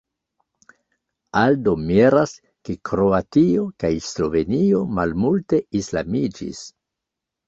Aldo miras, ke Kroatio kaj Slovenio malmulte islamiĝis.